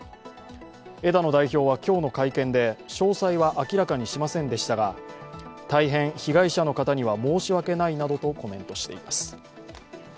枝野代表は今日の会見で詳細は明らかにしませんでしたが大変、被害者の方には申し訳ないなどとコメントしています。